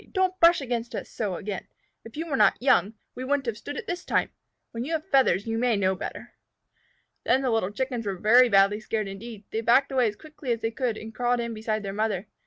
"Don't brush against us so again! If you were not young, we wouldn't have stood it this time. When you have feathers you may know better." Then the little Chickens were very badly scared indeed. They backed away as quickly as they could, and crawled in beside their mother.